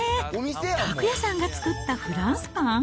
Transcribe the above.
拓也さんが作ったフランスパン？